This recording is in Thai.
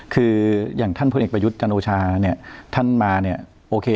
คืออย่างท่านพลเอกประยุทธ์กาโนชาท่านมาโอเค